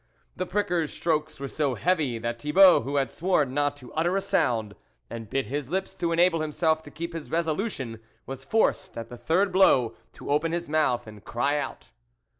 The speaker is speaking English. The pricker's strokes were so heavy that Thibault, who had sworn not to utter a sound, and bit his lips to enable himsel to keep his resolution, was forced at the third blow to open his mouth and cr out.